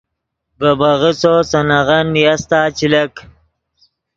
ڤے میغسّو سے نغن نیاستا چے لک